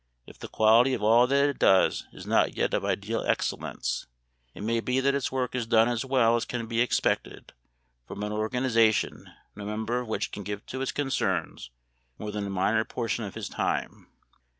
If the quality of all that it does is not yet of ideal excellence, it may be that its work is done as well as can be expected from an organization no member of which can give to its concerns more than a minor portion of his time.